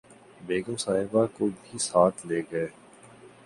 بیگم صاحبہ کو بھی ساتھ لے گئے